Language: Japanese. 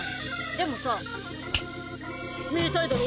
でもさ見たいだろ？